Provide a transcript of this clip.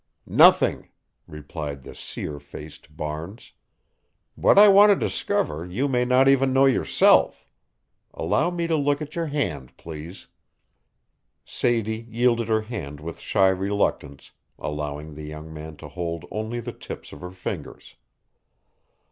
"Nothing!" replied the seer faced Barnes. "What I want to discover you may not even know yourself. Allow me to look at your hand, please." Sadie yielded her hand with shy reluctance, allowing the young man to hold only the tips of her fingers.